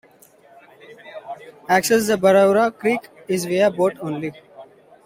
Access to Berowra Creek is via boat only.